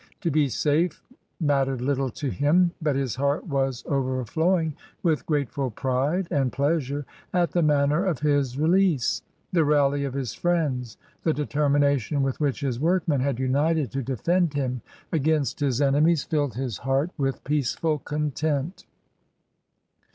To be safe mat tered little to him, but his heart was overflowing with grateful pride and pleasure at the manner of his release; the rally of his friends, the determina tion with which his workmen had united to defend him against his enemies filled his heart with peaceful content.